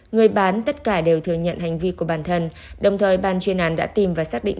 người bán tất cả đều thừa nhận hành vi của bản thân đồng thời ban chuyên án đã tìm và xác định